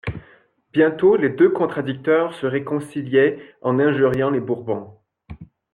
Bientôt les deux contradicteurs se réconciliaient en injuriant les Bourbons.